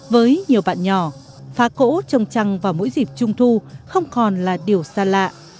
với nhiều bạn nhỏ phá cỗ trồng trăng vào mỗi dịp trung thu không còn là điều xa lạ